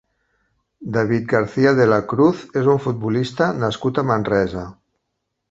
David García de la Cruz és un futbolista nascut a Manresa.